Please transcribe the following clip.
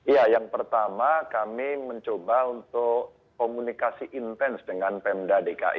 ya yang pertama kami mencoba untuk komunikasi intens dengan pemda dki